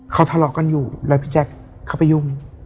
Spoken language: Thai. เขาทะเลาะกันอยู่แล้วพี่แจ๊คเขาไปยุ่ง